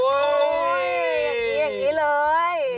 โอ๊ยอย่างนี้เลย